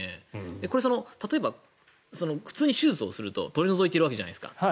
これ、例えば普通に手術をすると取り除いているわけじゃないですか。